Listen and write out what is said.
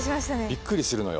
びっくりするのよ。